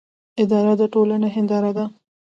اداره د ټولنې هنداره ده